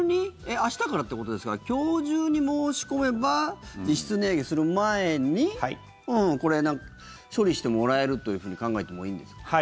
明日からってことですから今日中に申し込めば実質値上げする前に処理してもらえるというふうに考えてもいいんですか？